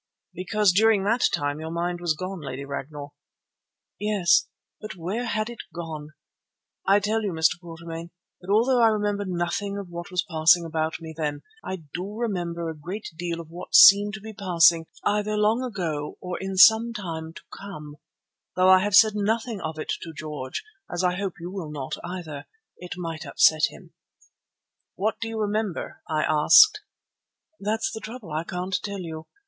"Because during that time your mind was gone, Lady Ragnall." "Yes, but where had it gone? I tell you, Mr. Quatermain, that although I remember nothing of what was passing about me then, I do remember a great deal of what seemed to be passing either long ago or in some time to come, though I have said nothing of it to George, as I hope you will not either. It might upset him." "What do you remember?" I asked. "That's the trouble; I can't tell you.